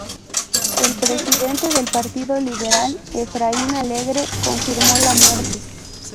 El presidente del Partido Liberal Efraín Alegre confirmó la muerte.